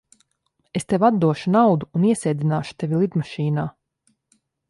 Es tev atdošu naudu un iesēdināšu tevi lidmašīnā.